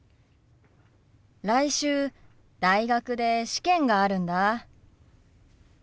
来週大学で試験があるんだ。